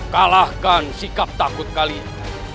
kalahkan sikap takut kalian